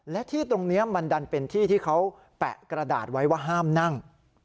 และที่ตรงนี้มันดันเป็นที่ที่เขาแปะกระดาษไว้ว่าห้ามนั่ง